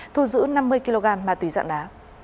thu giữ năm mươi kg ma túy dạng đá